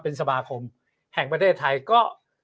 เป็นสมาคมแห่งประเทศไทยก็